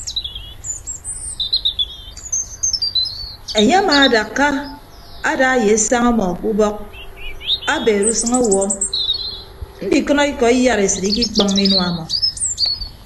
Enye amaadakka ada ye esañ ọmọ ke ubọk abeere usʌñ awuọ ndikʌnọ ikọ iyaresịt ikikpọññọ inua ọmọ.